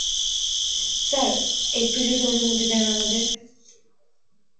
Sir, একটু যদি অনুমতি দেন আমাদের।